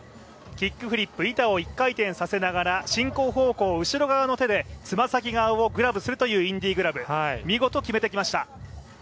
キックフリップ、板を１回転させながら進行方向左側の手で爪先側をグラブするというインディグラブ、見事決めてきました。